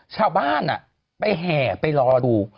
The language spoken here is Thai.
ชาวบ้านไปแห่ไปรอดู